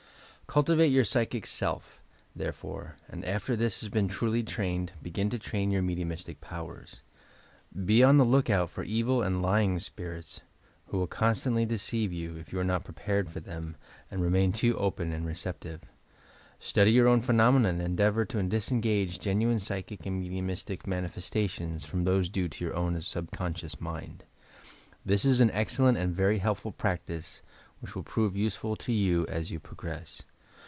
Cultivate your psychic self, therefore, and after this has been duly trained, begin to train your mediumistic powers. Be on the lookout for evil and lying spirits, who will constantly deceive you, if you are not prepared for them, and re main too open and receptive. Study your own phenomena and endeavour to disengage genuine psychic and medi umistic manifestations from those due to your own sub conscious mind. This is an excellent and very helpfnl practice which will prove useful to you as you progress.